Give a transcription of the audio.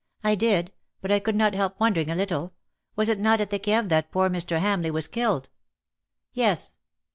'' I did ; but I could not help wondering a little. Was it not at the Kieve that poor Mr. Hamleigh was killed ?'" Yes.